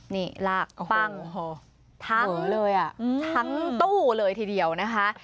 นี่ลากปั้งทั้งตู้เลยทีเดียวนะคะ